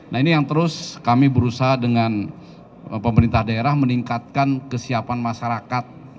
nah ini yang terus kami berusaha dengan pemerintah daerah meningkatkan kesiapan masyarakat